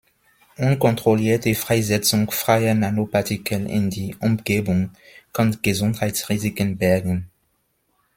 Unkontrollierte Freisetzung freier Nanopartikel in die Umgebung kann Gesundheitsrisiken bergen.